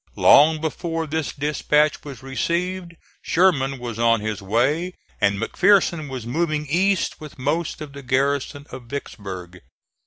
Long before this dispatch was received Sherman was on his way, and McPherson was moving east with most of the garrison of Vicksburg.